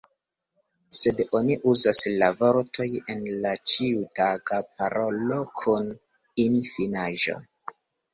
Sed oni uzas la vortoj en la ĉiutaga parolo kun -in-finaĵo.